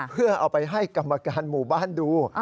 เพื่อเอาไปให้กรรมการหมู่บ้านดู